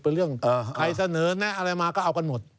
เป็นเรื่องใครเสนอแนะอะไรมาก็เอากันหมด